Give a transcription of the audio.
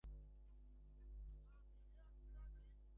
একটা টিপায়ের উপর মস্তবড়ো একটা ওয়েডিং কেকও সাজানো আছে।